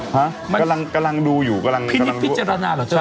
ฮะกำลังดูอยู่กำลังดูพินิฟิเจรณาเหรอเจ้า